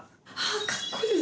かっこいい！